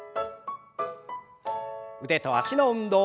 腕と脚の運動。